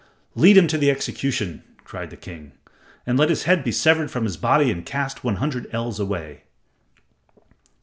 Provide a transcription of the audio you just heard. "Lead him to the execution," cried the king, "and let his head be severed from his body and cast one hundred ells away."